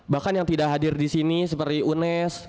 bahkan yang tidak hadir di sini seperti unes